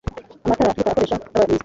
amatara atukura akoresha nabanyonzi